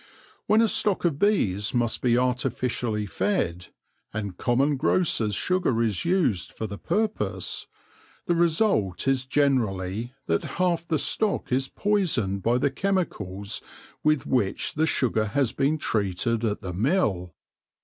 When a stock of bees must be artificially fed, and common grocers' sugar is used for the purpose, the result is generally that half the stock is poisoned by the chemicals with which the sugar has been treated at the mill.